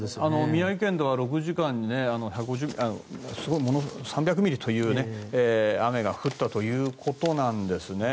宮城県では６時間に３００ミリという雨が降ったということなんですね。